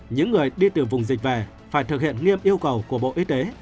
những người đi từ vùng dịch về phải thực hiện nghiêm yêu cầu của bộ y tế